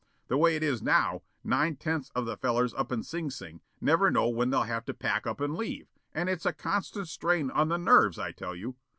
The way it is now, nine tenths of the fellers up in Sing Sing never know when they'll have to pack up and leave, and it's a constant strain on the nerves, I tell you.